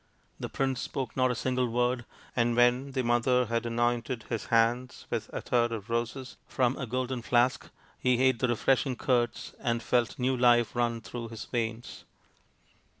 The prince spoke not a single word, and when the mother had anointed his hands with attar of roses from a golden flask, he ate the refreshing curds and felt new life run through his veins.